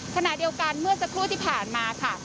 ขณะเดียวกันเมื่อสักครู่ที่ผ่านมาค่ะ